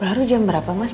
baru jam berapa mas